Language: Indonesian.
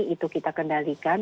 itu kita kendalikan